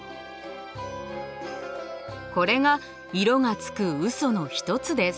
これが色がつくうその一つです。